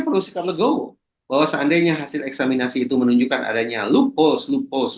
perlu dikatakan bahwa seandainya hasil eksaminasi itu menunjukkan adanya loophole